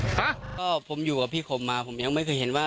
ฮะก็ผมอยู่กับพี่คมมาผมยังไม่เคยเห็นว่า